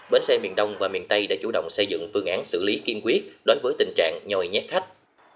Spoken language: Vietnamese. bến xe miền đông và miền tây đã chủ động xây dựng phương án xử lý kiên quyết đối với tình trạng nhòi nhét khách